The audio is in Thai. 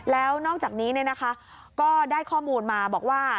แล้วนอกจากนี้ก็ได้ข้อมูลมาบอกว่า